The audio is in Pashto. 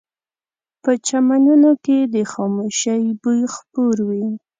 په چمنونو کې د خاموشۍ بوی خپور وي